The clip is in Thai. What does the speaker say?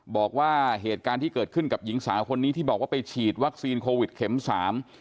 บอกว่าเหตุการณ์ที่เกิดขึ้นกับหญิงสาวคนนี้ที่บอกว่าไปฉีดวัคซีนโควิดเข็มสาม